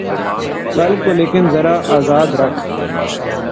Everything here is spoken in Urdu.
قلب کو لیکن ذرا آزاد رکھ